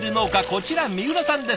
こちら三浦さんです。